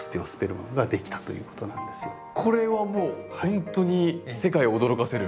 これはもうほんとに世界を驚かせる？